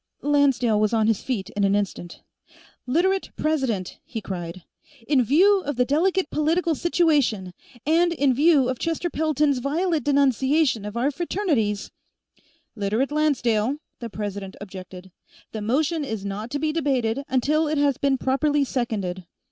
Lancedale was on his feet in an instant. "Literate President!" he cried. "In view of the delicate political situation, and in view of Chester Pelton's violent denunciation of our Fraternities " "Literate Lancedale," the President objected. "The motion is not to be debated until it has been properly seconded."